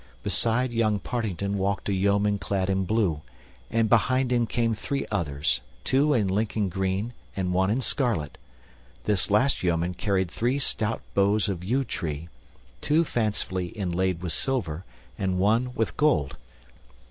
Beside young Partington walked a yeoman clad in blue, and behind came three others, two in Lincoln green and one in scarlet. This last yeoman carried three stout bows of yew tree, two fancifully inlaid with silver and one with gold.